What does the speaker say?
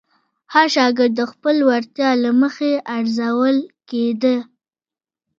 هر شاګرد د خپلې وړتیا له مخې ارزول کېده.